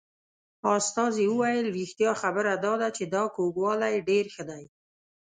استازي وویل رښتیا خبره دا ده چې دا کوږوالی ډېر ښه دی.